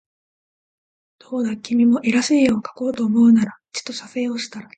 どうだ君も画らしい画をかこうと思うならちと写生をしたら